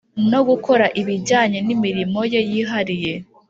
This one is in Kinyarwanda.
no gukora ibijyanye n imirimo ye yihariye